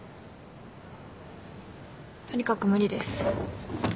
とにかく無理です。